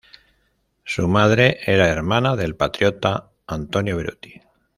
Su madre era hermana del patriota Antonio Beruti.